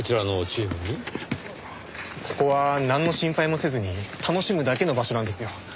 ここはなんの心配もせずに楽しむだけの場所なんですよ。